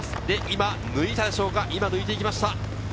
で、今抜いたでしょうか、抜いていきました。